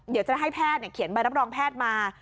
เดี๋ยวจะให้แพทย์เขียนใบรับรองแพทย์มา